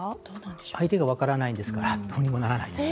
相手が分からないからどうにもならないです。